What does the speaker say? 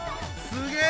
すげえ！